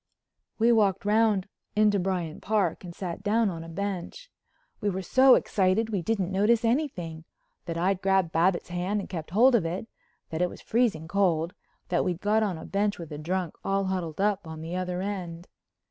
We walked round into Bryant Park and sat down on a bench. We were so excited we didn't notice anything—that I'd grabbed Babbitt's hand and kept hold of it, that it was freezing cold, that we'd got on a bench with a drunk all huddled up on the other end.